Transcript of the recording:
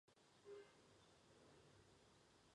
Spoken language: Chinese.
马斯金格姆县是美国俄亥俄州东南部的一个县。